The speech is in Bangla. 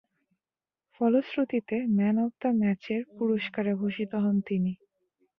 ফলশ্রুতিতে ম্যান অব দ্য ম্যাচের পুরস্কারে ভূষিত হন তিনি।